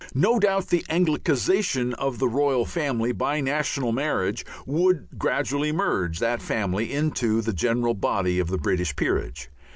No doubt the Anglicization of the royal family by national marriages would gradually merge that family into the general body of the British peerage.